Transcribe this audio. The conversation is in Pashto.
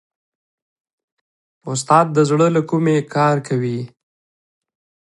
استاد د زړه له کومې کار کوي.